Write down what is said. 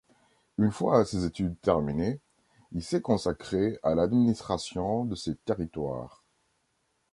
Une fois ses études terminées, il s’est consacré à l’administration de ses territoires.